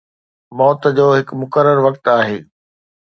موت جو هڪ مقرر وقت آهي